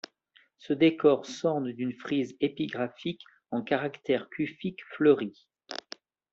Ce décor s'orne d'une frise épigraphique en caractère kufique fleuri.